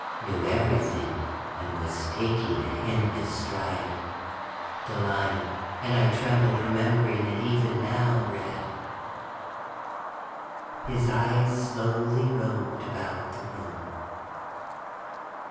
Knew everything and was taking it in his stride. The line (and I tremble remembering it even now) read: _... his eyes slowly roved about the room.